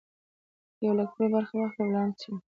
که یو الکترون برخه واخلي ولانس یو دی.